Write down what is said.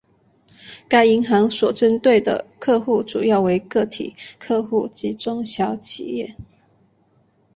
该银行所针对的客户主要为个体客户及中小企业。